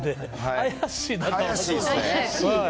怪しいっすね。